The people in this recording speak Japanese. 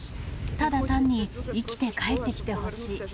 ただ単に生きて帰ってきてほしい。